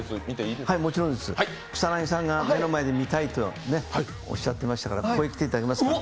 草薙さんが目の前で見たいとおっしゃっていましたから、ここへ来ていただけますか。